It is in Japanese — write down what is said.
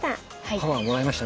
パワーもらいましたね